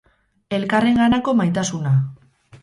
Elkarrenganako maitasuna.